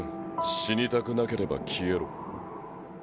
死にたくなければ消えろ。